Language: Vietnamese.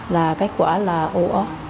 là kết quả là ổ